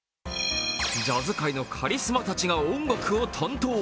ジャズ界のカリスマたちが音楽を担当。